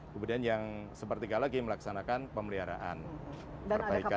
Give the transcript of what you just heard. kemudian yang sepertiga lagi melaksanakan pemeliharaan